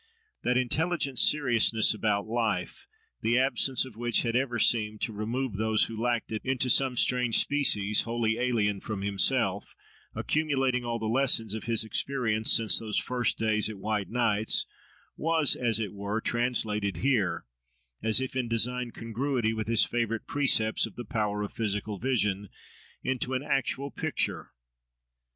That intelligent seriousness about life, the absence of which had ever seemed to remove those who lacked it into some strange species wholly alien from himself, accumulating all the lessons of his experience since those first days at White nights, was as it were translated here, as if in designed congruity with his favourite precepts of the power of physical vision, into an actual picture.